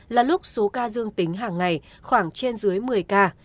là lúc số ca dương tính hàng ngày khoảng trên dưới một mươi ca